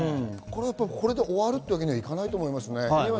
これで終わるということには行かないと思いますね。